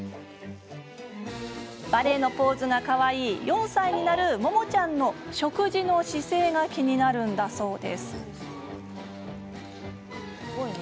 バレエのポーズがかわいい４歳になるももちゃんの食事の姿勢が気になるんだそうです。